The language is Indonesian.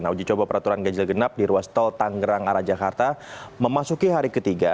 nah uji coba peraturan ganjil genap di ruas tol tanggerang arah jakarta memasuki hari ketiga